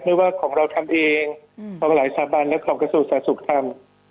ไม่ว่าของเราทำเองของหลายสาบันและของกสุทธิ์สาธุกรรม